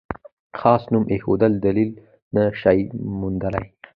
خاص نوم ایښودل دلیل نه شي موندلای.